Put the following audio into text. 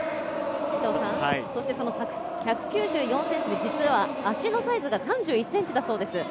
その１９４ｃｍ、足のサイズが３１ｃｍだそうです。